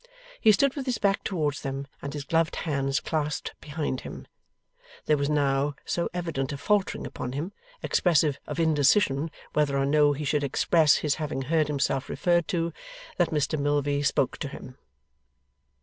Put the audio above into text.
He stood with his back towards them, and his gloved hands clasped behind him. There was now so evident a faltering upon him, expressive of indecision whether or no he should express his having heard himself referred to, that Mr Milvey spoke to him.